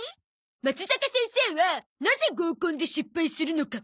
まつざか先生はなぜ合コンで失敗するのか。